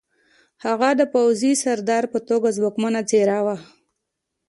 هغه د پوځي سردار په توګه ځواکمنه څېره وه